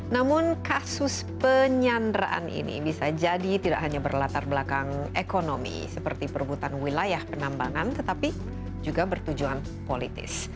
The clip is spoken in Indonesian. namun kasus penyanderaan ini bisa jadi tidak hanya berlatar belakang ekonomi seperti perebutan wilayah penambangan tetapi juga bertujuan politis